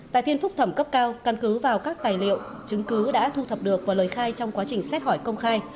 tại phiên phúc thẩm cấp cao căn cứ vào các tài liệu chứng cứ đã thu thập được và lời khai trong quá trình xét hỏi công khai